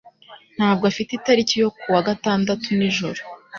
ntabwo afite itariki yo kuwa gatandatu nijoro